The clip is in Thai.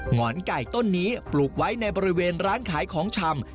หอนไก่ต้นนี้ปลูกไว้ในบริเวณร้านขายของชำ